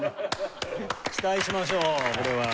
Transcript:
期待しましょうこれは。